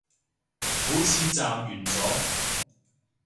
好似暫完咗